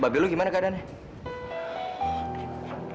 babil lu gimana keadaannya